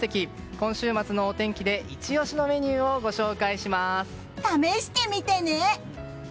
今週末のお天気でイチ押しのメニューを試してみてね。